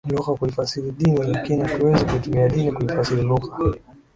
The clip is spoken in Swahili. lugha kuifasili dini lakini hatuwezi kuitumia dini kuifasili lugha